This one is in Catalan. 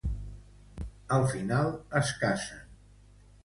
Al final, es casen.